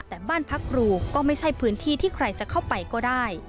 แต่บ้านพักครูก็ไม่ใช่พื้นที่ที่ใครจะเข้าไปก็ได้